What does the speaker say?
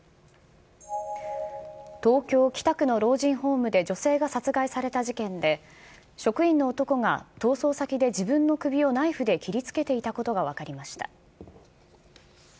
東京・北区の老人ホームで女性が殺害された事件で、職員の男が逃走先で自分の首をナイフで切りつけていたことが分かりました。